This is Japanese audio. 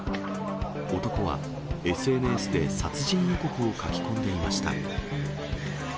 男はＳＮＳで殺人予告を書き込んでいました。